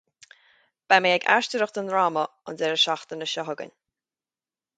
Beidh mé ag aisteoireacht i ndráma an deireadh seachtaine seo chugainn